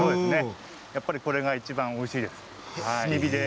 やっぱりこれがいちばんおいしいです。